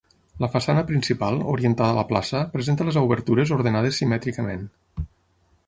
La façana principal, orientada a la plaça, presenta les obertures ordenades simètricament.